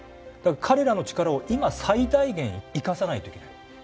彼らの力を今最大限生かさないといけない。